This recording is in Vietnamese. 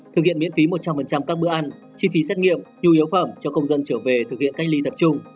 thực hiện miễn phí một trăm linh các bữa ăn chi phí xét nghiệm nhu yếu phẩm cho công dân trở về thực hiện cách ly tập trung